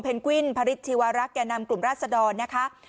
เพนกวินภริษฐีวรักษ์แกนนำกลุ่มราชดรนะคะ